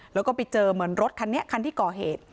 แล้วก็ไปเจอเหมือนรถคันนี้คันที่ก่อเหตุ